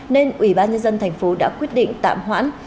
nên ubnd tp đã quyết định tạm hoãn